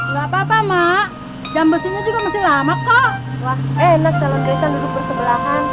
gak apa apa mak jam besinya juga masih lama kok wah enak calon desa duduk bersebelahan